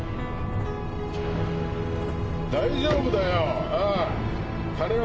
大丈夫だよああ。